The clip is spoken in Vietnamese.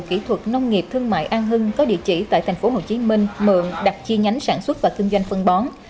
kỹ thuật nông nghiệp thương mại an hưng có địa chỉ tại tp hcm mượn đặc chi nhánh sản xuất và thương doanh phân bón